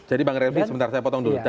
jadi bang raffi sebentar saya potong dulu